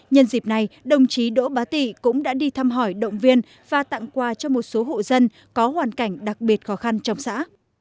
nhân dịp này đồng chí đỗ bá tị cũng đã đi thăm hỏi động viên và tặng quà cho một số hộ dân có hoàn cảnh đặc biệt khó khăn trong xã